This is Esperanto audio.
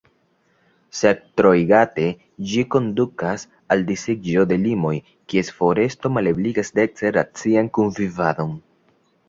Sed, troigate, ĝi kondukas al disiĝo de limoj, kies foresto malebligas dece racian kunvivadon.